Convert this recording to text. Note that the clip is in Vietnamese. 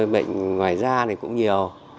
bệnh ngoài da này cũng nhiều